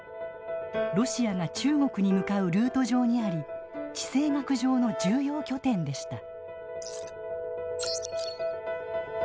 ロシアが中国に向かうルート上にあり地政学上の重要拠点でした。